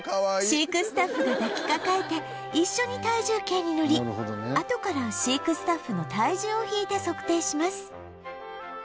飼育スタッフが抱きかかえて一緒に体重計にのりあとから飼育スタッフの体重を引いて測定します